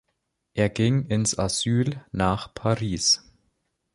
Er ging ins Asyl nach Paris.